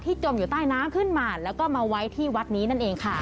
จมอยู่ใต้น้ำขึ้นมาแล้วก็มาไว้ที่วัดนี้นั่นเองค่ะ